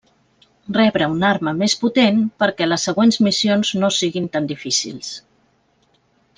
Rebre una arma més potent perquè les següents missions no siguin tan difícils.